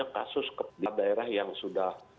kasus di daerah yang sudah